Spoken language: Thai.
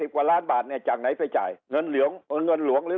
กว่าล้านบาทเนี่ยจากไหนไปจ่ายเงินเหลืองเงินหลวงหรือ